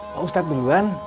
pak ustadz duluan